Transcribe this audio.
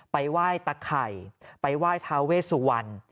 ไปไหว้ตะไข่ไปไหว้ทาเวสุวรรณ